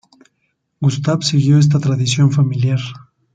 Gustav siguió esta tradición familiar.